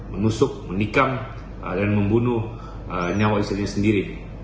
menusuk menikam dan membunuh nyawa istrinya sendiri